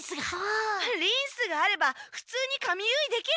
リンスがあればふつうに髪結いできる！